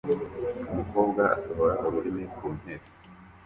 Umukobwa asohora ururimi ku ntebe